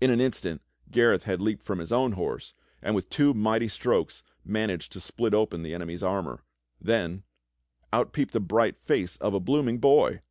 In an instant Gareth had leaped from his own horse, and with two mighty strokes managed to split open his enemy's armor. Then —• out peeped the bright face of a blooming boy